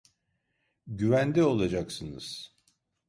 Güvende olacaksınız.